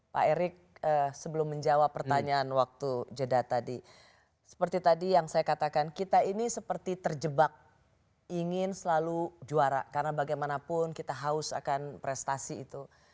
pak erick sebelum menjawab pertanyaan waktu jeda tadi seperti tadi yang saya katakan kita ini seperti terjebak ingin selalu juara karena bagaimanapun kita haus akan prestasi itu